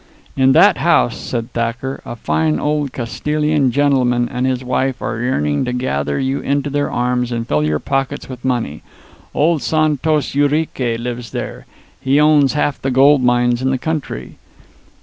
"In that house," said Thacker, "a fine old Castilian gentleman and his wife are yearning to gather you into their arms and fill your pockets with money. Old Santos Urique lives there. He owns half the gold mines in the country."